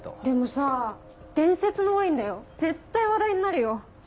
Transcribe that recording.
でもさ伝説のワインだよ絶対話題になるよ！